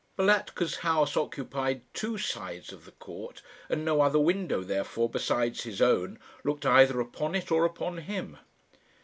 Balatka's house occupied two sides of the court, and no other window, therefore, besides his own looked either upon it or upon him.